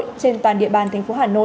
trên toàn địa bàn thành phố hà nội